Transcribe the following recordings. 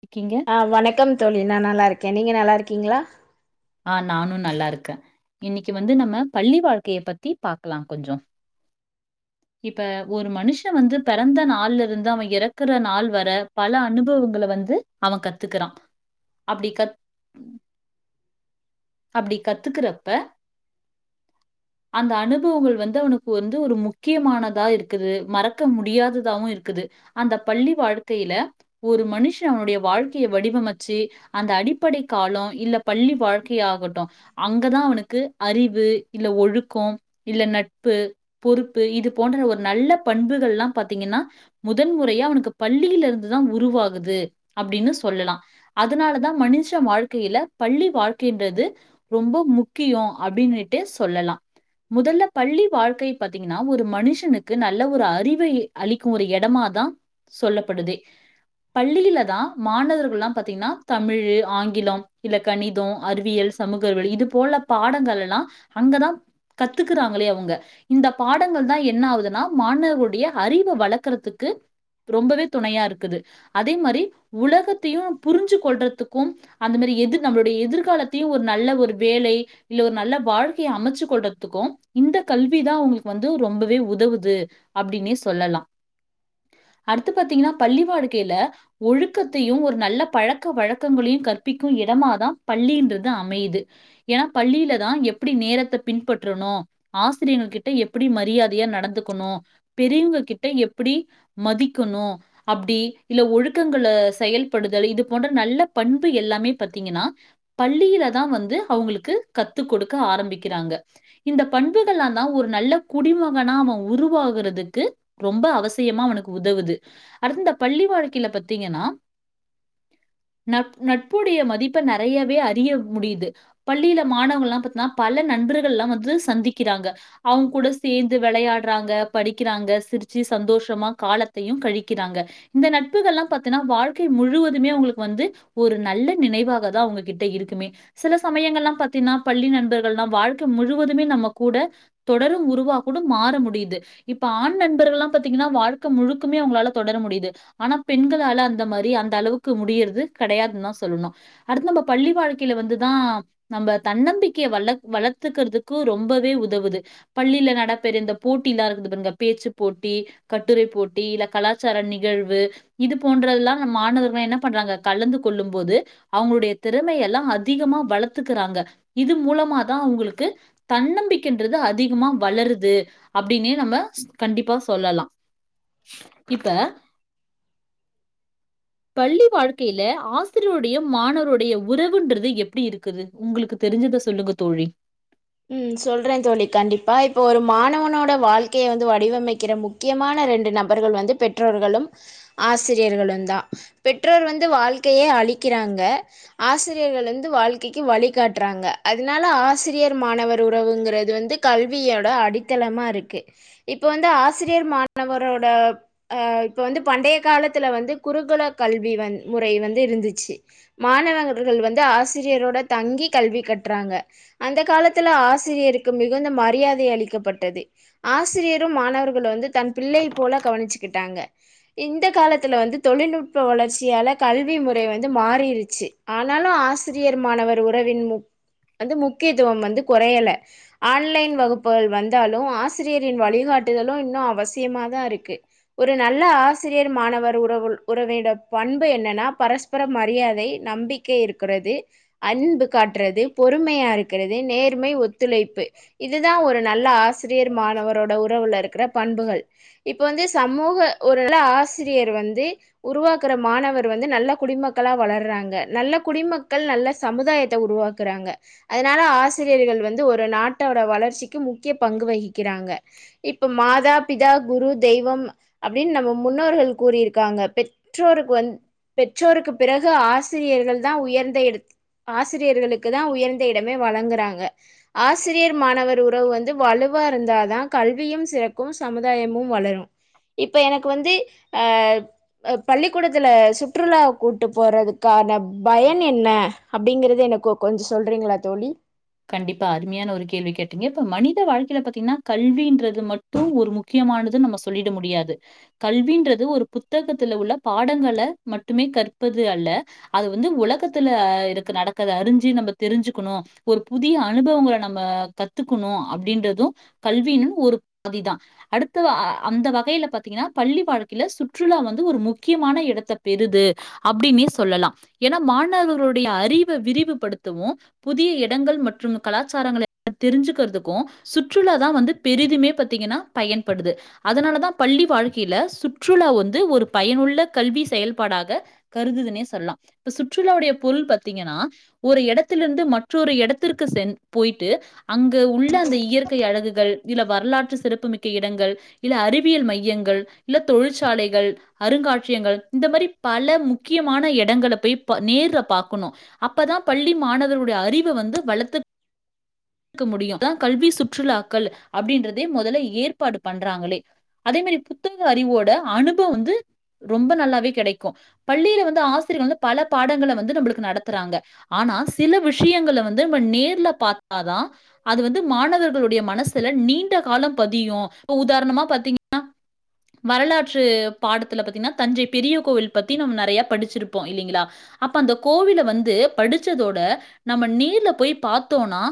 இருக்கீங்க ஆ வணக்கம் தோழி நா நல்லாயிருக்கே நீங்க நல்லா இருக்கீங்களா ஆ நானு நல்லா இருக்கே இன்னிக்கி வந்து நம்ம பள்ளி வாழ்க்கையை பத்தி பாக்கலா கொஞ்சோ ம் இப்ப ஒரு மனுஷ வந்து பெறந்த நாள்ல இருந்து அவ எறக்குற நாள் வர பல அனுபவங்கள வந்து அவ கத்துக்குறா அப்டி கத் அப்டி கத்துக்கறப்ப அந்த அனுபவங்கள் வந்து அவனுக்கு வந்து ஒரு முக்கியமானதா இருக்குது மறக்க முடியாத தாவு இருக்குது அந்த பள்ளி வாழ்க்கையில ஒரு மனுஷ அவனுடைய வாழ்க்கைய வடிவமைச்சு அந்த அடிப்படை காலோ இல்ல பள்ளி வாழ் கை ஆகட்டு அங்கதா அவனுக்கு அறிவு இல்ல ஒழுக்கோ இல்ல நட்பு பொறுப்பு இது போன்ற ஒரு நல்ல பண்புகள் எல்லா பாத்தீங்கன்னா முதன்முறையா அவனுக்கு பள்ளில இருந்துதா உருவாகுது அப்டின்னு சொல்லலா அதனால தா மனுஷ வாழ்க்கையில பள்ளி வாழ்க் கைன்றது ரொம்ப முக்கியோ அப்பிடின்னுட்டு சொல்லலா முதல்ல பள்ளி வாழ்க்கை பாத்தீங்கன்னா ஒரு மனுஷனுக்கு நல்ல ஒரு அறிவை அளிக்கு ஒரு எடமாதா சொல்லப்படுதே பள்ளில தா மாணவர்கல்லா பாத்தீங்கன்னா தமிழு ஆங்கிலம் இல்ல கணிதோ அறிவியல் சமூகறிவியல் இது போல பாடங்கள் எல்லா அங்கதா கத்துக்குறாங்களே அவங்க இந்த பாடங்கள் தா என்ன ஆகுதுன்னா மாணவர்களுடைய அறிவ வளக்குறதுக்கு ரொம்பவே துணையா இருக்குது அதே மாரி உலகத்தையு புரிஞ்சு கொள்றதுக்கு அந்த மாரி எதிர் நம்மளுடைய எதிர்க் எதர்காலத்தையு ஒரு நல்ல ஒரு வேலை இல்ல ஒரு நல்ல வாழ்க்கைய அமைச்சு கொள்றதுக்கு இந்த கல்வி தா அங்களுக்கு வந்து ரொம்பவே உதவுது அப்டினே சொல்லலா அடுத்து பாத்தீங்கனா பள்ளி வாடிக்கையில ஒழுக்கத்தையு ஒரு நல்ல பழக்க வழக்கங்களையு கற்பிக்கு இடமா தா பள்ளின்றது அமைது ஏன்னா பள்ளியில தா எப்டி நேரத்த பின்பற்றணு ஆசிரியங்க கிட்ட எப்டி மரியாதையா நடந்துக்கணு பெரியவங்க கிட்ட எப்டி மதிக்கணு அப்டி இல்ல ஒழுக்கங்கள செயல்படுதல் இது போன்ற நல்ல பண்பு எல்லாமே பாத்தீங்கனா பள்ளியில தா வந்து அவுங்களுக்கு கத்து கொடுக்க ஆரம்பிக்கிறாங்க இந்த பண்புகளா தா ஒரு நல்ல குடிமகனா அவ உருவாகறதுக்கு ரொம்ப அவசியமா அவனுக்கு உதவுது அடுத்து இந்த பள்ளி வாழ்க்கையில பாத்தீங்கனா நட் நட்புடைய மதிப்ப நெறையவே அறிய முடியுது பள்ளியில மாணவங்கல்லா பாத்தீன்னா பல நண்பர்கள்லா வந்து சந்திக்கிறாங்க அவுங்க கூட சேந்து வெளையாட்றாங்க படிக்கிறாங்க சிரிச்சு சந்தோஷமா காலத்தையு கழிக்கிறாங்க இந்த நட்புகள் எல்லா பாத்தீன்னா வாழ்க்கை முழுவதுமே உங்களுக்கு வந்து ஒரு நல்ல நினைவாக தா அவுங்க கிட் கிட்ட இருக்குமே சில சமயங்கள் எல்லா பாத்தீன்னா பள்ளி நண்பர்கள்ல்லா வாழ்க்கை முழுவதுமே நம்ம கூட தொடரும் உருவா கூட மாற முடியுது இப்ப ஆண் நண்பர்கள்ல்லா பாத்தீங்கன்னா வாழ்க்க முழுக்குமே அவுங்களால தொடர முடியுது ஆனா பெண்களால அந்த மாரி அந்த அளவுக்கு முடியறது கெடையாதுன்னு தா சொல்லணு அடுத்து நம் பள்ளி வாழ்க்கையில வந்துதா நம்ம தன்னம்பிக்கைய வள வளத்துக்கறதுக்கு ரொம்பவே உதவுது பள்ளில நடபெற இந்த போட்டிலா இருக்குது பாருங்க இந்த பேச்சு போட்டி கட்டுரை போட்டி இல்ல கலாச்சார நிகழ்வு இது போன்றல்லா அந்த மாணவர்கள்ல என்ன பண்றாங்க கலந்து கொள்ளும் போது அவுங்களுடைய திறமை எல்லா அதிகமா வளத்துக்கிறாங்க இது மூலமா தா அவுங்களுக்கு தன்னம்பிக்கைன்றது அதிகமா வளருது அப்டினே நம்ம கண்டிப்பா சொல்லலா இப்ப பள்ளி வாழ்க்கையில ஆசிரியருடைய மாணவருடைய உறவுன்றது எப்டி இருக்குது உங்களுக்கு தெரிஞ்சத சொல்லுங்க தோழி ம் சொல்ற தோழி கண்டிப்பா இப்ப ஒரு மாணவனோட வாழ்க்கைய வந்து வடிவமைக்கிற முக் கியமான ரெண்டு நபர்கள் வந்து பெற்றோர்களும் ஆசிரியர்களுந்தா பெற்றோர்கள் வந்து வாழ்க்கையே அழிக்கிறாங்க ஆசிரியர்கள் வந்து வாழ்க்கைக்கு வழி காட்டுறாங்க அதனால ஆசிரியர் மாணவர் உறவுங்கிறது வந்து கல்வியோட அடித்தளமா இருக்கு இப்ப வந்து ஆசிரியர் மாணவரோட அ இப்ப வந்து பண்டைய காலத்துல வந்து குருகுல கல்வி வ முறை வந்து இருந்துச்சு மாணவர்கள் வந்து ஆசிரியரோட தங்கி கல்வி கட்றாங்க அந்த காலத்துல ஆசிரியருக்கு மிகுந்த மரியாதை அளிக்கப்பட்டது ஆசிரியரும் மாணவர்கள வந்து தன் பிள்ளைபோல கவனிச்சுக்கிட்டாங்க இந்த காலத்துல வந்து தொழில்நுட்ப வளர்ச்சியால கல்வி முறை வந்து மாறிருச்சு ஆனாலு ஆசிரியர் மாணவர் உறவின் மு வந்து முக்கியத்துவம் வந்து கொறையல ஆன்லைன் வகுப்புகள் வந்தாலு ஆசிரியரின் வழிகாட்டுதலு இன்னு அவசியமாதா இருக்கு ஒரு நல்ல ஆசிரியர் மாணவர் உறவு உறவேட பண்பு என்னனா பரஸ் அப்புற மரியாதை நம்பிக்கை இருக்கிறது அன்பு காட்டுறது பொறுமையா இருக் கிறது நேர்மை ஒத்துழைப்பு இதுதா ஒரு நல்ல ஆசி ரியர் மாணவரோட உறவுல இருக்கிற பண்புகள் இப்ப வந்து சமூக ஒரு நல்ல ஆசிரியர் வந்து உருவாக்கிற மாணவர் வந்து நல்ல குடிமக்களா வளர்றாங்க நல்ல குடிமக்கள் நல்ல சமுதாயத்த உருவாக் கிறாங்க அதனால ஆசிரியர்கள் வந்து ஒரு நாட்டோட வளர்ச்சிக்கு முக்கிய பங்கு வகிக்கிறாங்க இப்ப மாதா பிதா குரு தெய்வம் அப்டின் நம்ம முன்னோர்கள் கூறி இருக்காங்க பெற்றோர்க்கு வந் பெற்றோருக்குப் பிறகு ஆசிரியர்கள் தா உயர்ந்த எடத் ஆசிரியர்களுக்கு தா உயர் ந்த இடமே வழங்குறாங்க ஆசிரியர் மாணவர் உறவு வந்து வலுவா இருந்தாதா கல்வியும் சிறக்கும் சமுதாயமு வளரு இப்ப எனக்கு வந்து அ பள்ளிக்கூடத்துல சுற்றுலா கூட்டு போறதுக்கான பயன் என்ன அப்டிங்கறது எனக்கு கொஞ் சொல்றீங்ளா தோழி கண்டிப்பா அருமையான ஒரு கேள்வி கேட்டீங்க இப்ப மனித வாழ்க்கைல பாத்தீங்னா கல்வின்றது மட் டு ஒரு முக்கியமானது நம்ம சொல்லிட முடியாது கல்வின்றது ஒரு புத்தகத்துல உள்ள பாடங்கள மட்டுமே கற்பது அல்ல அது வந்து உலகத்துல இருக்க நடக்கர்த அறிஞ்சி நம்ம தெரிஞ்சுக்குனு ஒரு புதிய அனுபவங்கள நம்ம கத்துக்குனு அப்டின்றது கல்வினு ஒரு பகுதிதா அடுத்ததா அந்த வகைல பாத்தீங்கனா பள்ளி வாழ்க்கைல சுற்றுலா வந்து ஒரு முக்கியமான எடத்த பெறுது அப்டின்னே சொல்லலா ஏனா மாணவர்களுடைய அறிவ விரிவுபடுத்தவு புதிய எ எடங்கள் மற்றும் கலாச்சாரங்கள தெரிஞ்சுகற்துக்கு சுற்றுலாதா வந்து பெரிதுமே பா்த்தீங்கனா பயன்படுது அதனாலதா பள்ளி வாழ்க்கைல சுற்றுலா வந்து ஒரு பயனுள்ள கல்வி செயல்பாடாக கருதுதுன்னே சொல்லலா இப்ப சுற்றுலாவுடைய பொருள் பாத்தீங்கனா ஒரு எடத்திலந்து ம ற்றொரு எடத்திற்கு சென்று போய்ட்டு அங்கு உள்ள அந்த இயற்கை அழகுகள் இல்ல வரலாற்று சிறப்புமிக்க இடங்கள் இல்ல அறிவியல் மையங்கள் இல்ல தொழிற்சாலைகள் அருங்காட்சியங்கள் இந்த மாரி பல முக்கியமான எடங்கள போய் ப நேர்ல பாக்கனூ அப்பதா பள்ளி மாணவருடைய அறிவ வந்து வளத்துக் க்க முடியு அதா கல்வி சுற்றுலாக்கள் அப்டின்றதே மொதல்ல ஏற்பாடு பண்றாங்களே அதே மாரி புத்தக அறிவோட அனுப வந்து ரொம்ப நல்லாவே கெடைக்கு பள்ளில வந்து ஆசிரியர் வந்து பல பாடங்கள வந்து நம்ளுக்கு நடத்துறாங்க ஆனா சில விஷ் ஷயங்கள வந்து நம்ம நேர்ல பாத்தாதா அது வந்து மாணவர்களுடைய மனசுல நீண்ட காலொ பதியு இப்ப உதாரணமா பாத்தீங்கனா வரலாற்று பாடத்துல பாத்தீங்கனா தஞ்சை பெரிய கோவில் பத்தி நம்ம நெறைய படிச்சிருப்போ இல்லிங்ளா அப்ப அந்த கோவில வந்து படிச்சதோட நம்ம நேர்ல போயி பாத்தோனா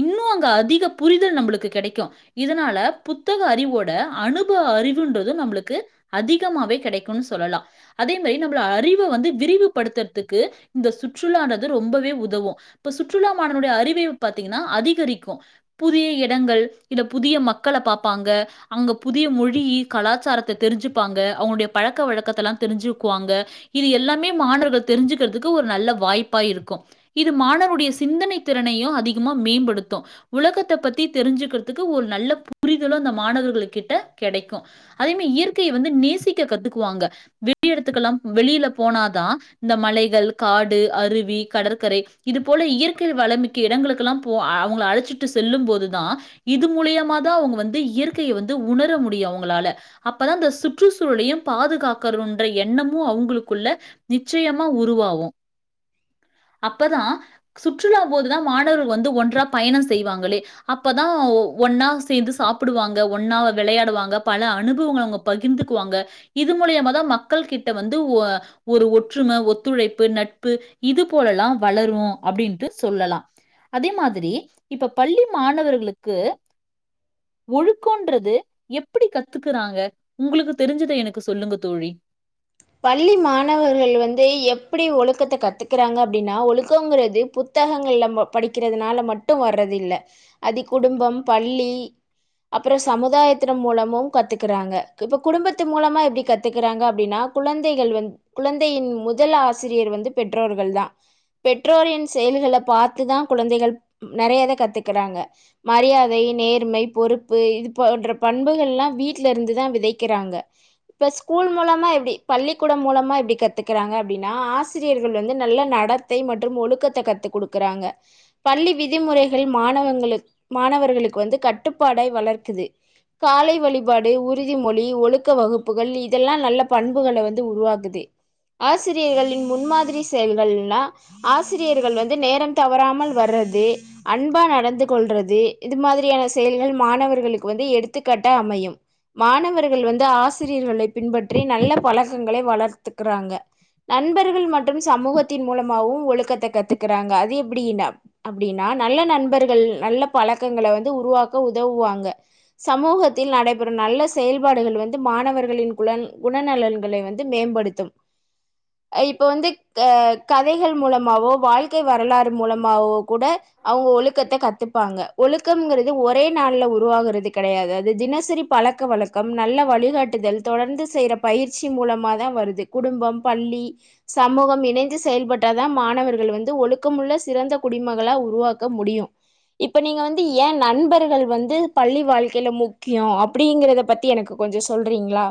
இன்னூ அங்க அதிக புரிதல் நம்ளுக்கு கெடைக்கு இதனால புத்தக அறிவோட அனுபவ அறிவுன்றது நம்ளுக்கு அதிகமாவே கெடைக்குனு சொல்லலா அதே மாரி நம்மள அறிவ வந்து விரிவுபடுத்றதுக்கு இந்த சுற்றுலானது ரொம்பவே உதவு இப்ப சுற்றுலா மாணவனுடைய அறிவியு பாத்தீங்கனா அதிகரிக்கு புதிய இடங்கள் இல்ல புதிய மக்கள பாப்பாங்க அங்க புதிய மொழி கலாச்சாரத்த தெரிஞ்சுப்பாங்க அவுங்கடைய பழக்க வழக்கத்தல்லா தெரிஞ்சுக்குவாங்க இது எல்லாமே மாணவர்கள் தெரிஞ்சுக்றதுக்கு ஒரு நல்ல வாய்ப்பா இருக்கு இது மாணவ டைய சிந்தன திறனயு அதிகமாக மேம்படுத்து உலகத்தை பத்தி தெரிஞ்சுக்றதுக்கு ஒரு நல்ல புரிதலு அந்த மாணவர்கள் கிட்ட கெடைக்கு அதே மாரி இயற்கைய வந்து நேசிக்க கத்துக்குவாங்க வெளி எடத்துக்கெல்லா வெளில போனாதா இந்த மலைகள் காடு அருவி கடற்கரை இது போல இயற்கை வளமிக்க இடங்களுக்கல்லா போ அவுங்கள அழைச்சிட்டு செல்லு போது தா இது மூலியமா தா அவங்க வந்து இயற்கையை வந்து உணர முடியு அவங்களால அப்பதா அந்த சுற்றுச்சூழலயு பாதுகாக்கனுன்ற எண்ணமும் அவங்களுக்குள்ள நிச்சயமா உருவாவும் அப்பதா சுற்றுலா போதுதா மாணவர்கள் வந்து ஒன்றா பயணம் செய்வாங்களே அப்பதா ஒன்னா சேந்து சாப்டுவாங்க ஒன்னா வெளையாடுவாங்க பல அனுபவங்க அவங்க பகிர்ந்துக்குவாங்க இது மூலியமா தா மக்கள் கிட்ட வந்து ஒரு ஒற்றும ஒத்துழைப்பு நட்பு இது போலல்லா வளரு அப்டின்ட்டு சொல்லலா அதே மாரி இப்ப பள்ளி மாணவர்களுக்கு ஒழுக்கொன்றது எப்டி கத்துக்குறாங்க உங்களுக்கு தெரிஞ்சத எனக்கு சொல்லுங்க தோழி பள்ளி மாணவர்கள் வந்து எப்டி ஒழுக்கத்த கத்துக்கறாங்க அப்டின்னா ஒழுக்கங்கறது பு த்தகங்கள்ல படிக்கறதுனால மட்டு வர்றது இல்ல அது குடும்ப பள்ளி அப்ற சமுதாயத்தின மூலமும் கத்துக்றாங்க இப்ப குடும்பத்து மூலமா எப்டி கத்துக்றாங்க அப்டின்னா குழந்தைகள் வந்து குழந்தையின் முதல் ஆசிரியர் வந்து பெற்றோர்கள் தா பெற்றோரின் செயல்கள பாத்துதா குழந்தைகள் நறையா இத கத்துகறாங்க மரியாதை நேர்மை பொறுப்பு இது போன்ற பண்புகள்ல்லா வீட்லருந்துதா விதைக்கறாங்க இப்ப ஸ்கூல் மூலமா எப்டி பள்ளிக்கூடம் மூலமா எப்டி கத்துக்குறாங்க அப்டின்னா ஆசிரியர்கள் வந்து நல்ல நடத்தை மற்றும் ஒழுக்கத்த கத்துக்குடு குறாங்க பள்ளி விதிமுறைகள் மாணவங்களுக் மாணவர்களுக்கு வந்து கட்டுப்பாடய் வளர்க்குது காலை வழிபாடு உறுதிமொழி ஒழுக்க வகுப்புகள் இதெல்லா நல்ல பண் புகள வந்து உருவாக்குது ஆசிரியர்களின் முன்மாதிரி செயல்கள்லா ஆசிரியர்கள் வந்து நேரம் தவறாமல் வர்றது அன்பா நடந்து கொள்றது இது மாதிரியான செயல்கள் மாணவர்களுக்கு வந்து எடுத்துக்காட்டா அமையு மாணவர்கள் வந்து ஆசிரியர்களை பின்பற்றி நல்ல பழக்கங்களை வளர்த்துக்குறாங்க நண்பர்கள் மற்றும் சமூகத்தின் மூலமாவு ஒழுக்கத்த கத்துக்குறாங்க அது எப்டின்னா அப்டினா நல்ல நண்பர்கள் நல்ல பழக்கங்கள வந்து உருவாக்க உதவுவாங்க சமூகத்தில் நடைபெறும் நல்ல செயல்பாடுகள் வந்து மாணவர்களின் குலண் குணநலன் களை வந்து மேம்படுத்தும் இப்போ வந்து க கதைகள் மூலமாவோ வாழ்க்கை வரலாறு மூலமாவோ கூட அவுங்க ஒழுக்கத்த கத்துப்பாங்க ஒழுக்கமுங்கறது ஒரே நாளில உருவாகறது கடையாது அது தினசெரி பழக்க வழக்கம் நல்ல வழிகாட்டுதல் தொடர்ந்து செய்ற பயிற்சி மூலமாதா வருது குடும்பம் பள்ளி சமூகம் இணைந்து செயல்பட்டாதா மாணவர்கள் வந்து ஒழுக்கமுள்ள சிறந்த குடிமகளா உருவாக்க முடியு இப்ப நீங்க வந்து எ நண்பர்கள் வந்து பள்ளி வாழ்க்கைல முக்கியோ அப் அப்டிங்கறத பத்தி எனக்கு கொஞ்சோ சொல்றீங்ளா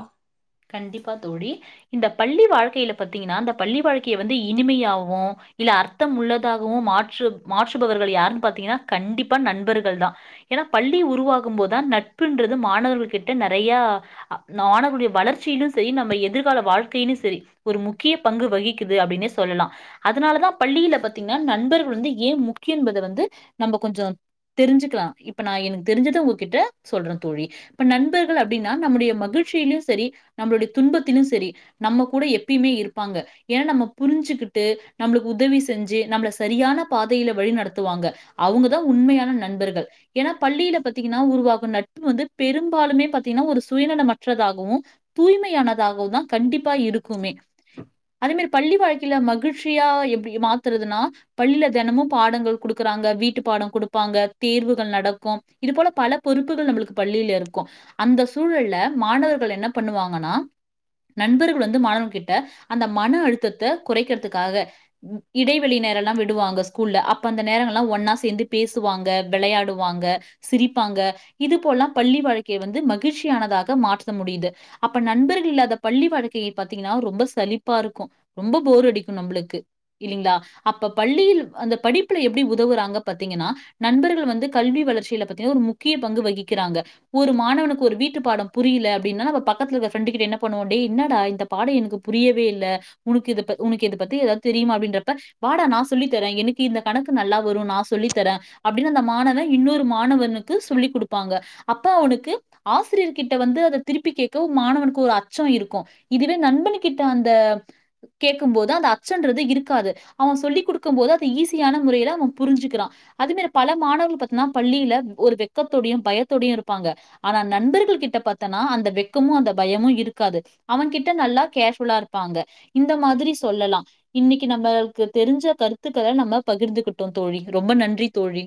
கண்டிப்பா தோழி இந்த பள்ளி வாழ்க்கைல பாத்தீங்கன்னா இந்த பள்ளி வாழ்க்கைய வந்து இனிமையாவு இல்ல அர்த்தம் உள்ளதாகவு மாற்று மாற்றுபவர்கள் யாருன் பாத்தீங்கன்னா கண்டிப்பா நண்பர்கள்தா எனா பள்ளி உருவாகும்போத்தா நட்புன்றது மாணவர்கள்கிட்ட நறைய நாணருடைய வளர்ச் சிலு சேரி நம்ம எதிர்கால வாழ்க்கைலயு சேரி ஒரு முக்கிய பங்கு வகிக்குது அப்டின்னே சொல்லலா அதுனாலதா பள்ளில பாத்தீங்கன்னா நண்பர்கள் வந்து ஏ முக்கியோ என்பத வந்து நம்ம கொஞ்சோ தெரிஞ்சுக்கலா இப்ப நா எனக்கு தெரிசத உங்ககிட்ட சொல்ற தோழி இப்ப நண்பர்கள் அப்டினா நம்முடைய மகிழ்ச்சில்யு சேரி நம்மளுடைய துன்பத்தில்யு சேரி நம்மகூட எப்பயுமே இருப்பாங்க எனா நம்ம புரிஞ்சுகுட்டு நம்மளுக்கு உதவி செஞ்சு நம்மள செரியான பாதைல வழி நடத்துவாங்க அவுங்கதா உண்மையான நண்பர்கள் எனா பள்ளில பாத்தீங்கன்னா உருவாகு நட்பு வந்து பெரும்பாலுமே பாத்தீங்கன்னா ஒரு சுயநலமற்றதாகவு தூய்மையானதாகவுதா கண்டிப்பா இருக்குமே அதே மாரி பள்ளி வாழ்க்கைல மகிழ்ச்சியா எப்டி மாத்துறதுனா பள்ளில தெனமொ பாடங்கள் குடுக்குறாங்க வீட்டுப்பாடோ குடுப்பாங்க தேர்வுகள் நடக்கு இது போல பல பொறுப்புகள் நம்ளுக்கு பள்ளில இருக்கு அந்த சூழல்ல மாணவர்கள் என்னப் பண்ணுவாங்கனா நண்பர்கள் வந்து மாணவர்கிட்ட அந்த மன அழுத்தத்த குறைக்கிறதுக்காக ம் இடைவெளி நேரல்லா விடுவாங்க ஸ்கூல்ல அப்ப அந்த நேரங்கள்லா ஒன்னா சேந்து பேசுவாங்க வெளையாடுவாங்க சிரிப்பாங்க இது போல்லா பள்ளி வாழ்க்கைய வந்து மகிழ்ச்சியானதாக மாற்ற முடியுது அப்ப நண்பர்கள் இல்லாத பள்ளி வாழ்க்கையை பாத்தீங்கனா ரொம்ப சளிப்பா இருக்கு ரொம்ப போர் அடிக்கு நம்புளுக்கு இல்லிங்ளா அப்ப பள்ளியில் அந்த படிப்புல எப்டி உதவுறாங்க பாத்தீங்கன்னா நண்பர்கள் வந்து கல்வி வளர்ச்சில பாத்திங்னா ஒரு முக்கிய பங்கு வகிக்கிறாங்க ஒரு மாணவனுக்கு ஒரு வீட்டு பாடோ புரில அப்டினா அவ பக்கத்துல இருக்க ஃப்ரெண்டு கிட்ட என்ன பண்ணுவோம் டேய் இன்னாடா இந்த பாடோம் எனுக்கு புரியவே இல்ல உனுக்கு இது ப உனக்கு இத பத்தி எதாவுது தெரியுமா அப்டின்றப்ப வாடா நா சொல்லி தரேன் எனுக்கு இந்த கணக்கு நல்லா வரூம் நா சொல்லித்தரேன் அப்டினு அந்த மாணவன் இன்னொரு மாணவனுக்கு சொல்லி குடுப்பாங்க அப்ப அவுனுக்கு ஆசிரியர் கிட்ட வந்து அத திருப்பி கேட் க்க மாணவனுக்கு ஒரு அச்சோம் இருக்கோம் இதுவே நண்பனு கிட்ட அந்த கேக்கும் போது அந்த அச்சன்றது இருக்காது அவன் சொல்லிக்குடுக்கும் போது அத ஈஸியான முறையில அவன் புரிஞ்சுக்கிறான் அது மேரி பல மாணவர்கள் பாத்னா பள்ளியில ஒரு வெக்கத்தோடையும் பயத்தோடையும் இருப்பாங்க ஆனா நண்பர்கள் கிட்ட பாத்தனா அந்த வெக் க்கமும் அந்த பயமும் இருக்காது அவன்கிட்ட நல்லா கேஷுலா இருப்பாங்க இந்த மாதிரி சொல்லலாம் இன்னிக்கு நம்பள்க்கு தெரிஞ்ச கருத்துக்கள நம்ம பகிர்ந்துகிட்டோ தோழி ரொம்ப நன்றி தோழி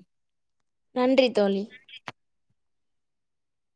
நன்றி தோழி